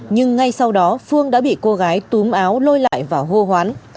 nhưng ngay sau đó phương đã bị cô gái túm áo lôi lại và hô hoán